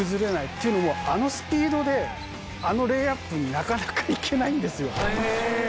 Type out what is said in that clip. っていうのもあのスピードであのレイアップになかなか行けないんですよ。